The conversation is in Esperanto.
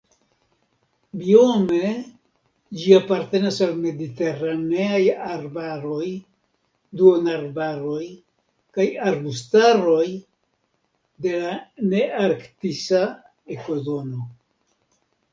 Biome ĝi apartenas al mediteraneaj arbaroj, duonarbaroj kaj arbustaroj de la nearktisa ekozono.